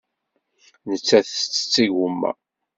Nettat tettett igumma.